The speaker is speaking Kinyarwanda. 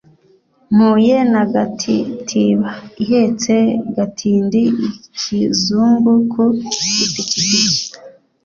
Mpuye na gatitiba ihetse gatindi-Ikizungu ku ipikipiki.